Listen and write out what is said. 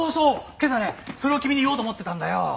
今朝ねそれを君に言おうと思ってたんだよ。